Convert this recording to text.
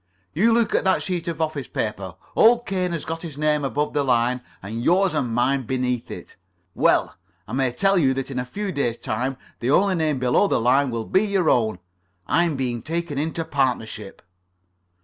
You look at that sheet of office paper. Old Cain has got his name above the line, and yours and mine beneath it. Well, I may tell you that in a few days' time the only name below the line will be your own. I'm being taken into partnership."